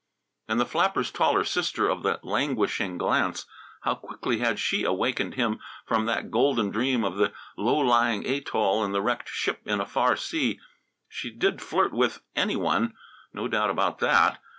And the flapper's taller sister of the languishing glance how quickly had she awakened him from that golden dream of the low lying atoll and the wrecked ship in a far sea. She did flirt with "any one," no doubt about that.